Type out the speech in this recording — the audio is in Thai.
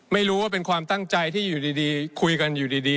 ไม่รู้ว่าเป็นความตั้งใจที่อยู่ดีคุยกันอยู่ดี